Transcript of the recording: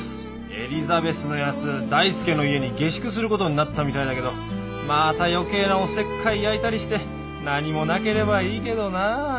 エリザベスのやつ大介の家に下宿することになったみたいだけどまた余計なおせっかい焼いたりして何もなければいいけどなあ。